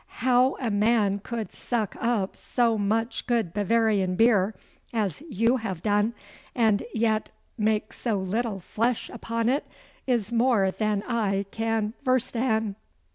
How a man could suck up so much good Bavarian beer as you have done, and yet make so little flesh upon it, is more than I can verstehen.